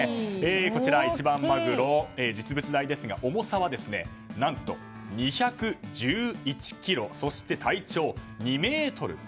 こちら一番マグロ、実物大ですが重さは何と２１１ｋｇそして体長２ｍ１８ｃｍ。